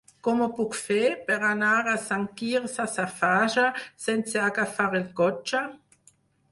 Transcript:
Com ho puc fer per anar a Sant Quirze Safaja sense agafar el cotxe?